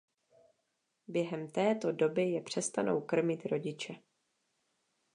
Během této doby je přestanou krmit rodiče.